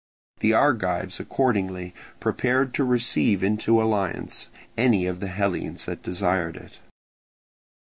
The Argives accordingly prepared to receive into alliance any of the Hellenes that desired it.